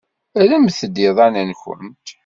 Rremt-d iḍan-nwent.